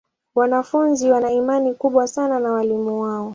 Wanafunzi wana imani kubwa sana na walimu wao.